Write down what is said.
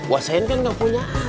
wasain kan gak punya adiknya